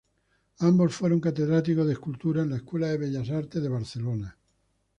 Ambos fueron catedráticos de escultura en la Escuela de Bellas Artes de Barcelona.